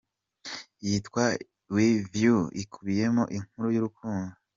Yitwa "With You" ikubiyemo inkuru y’urukundo.